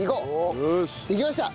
できました！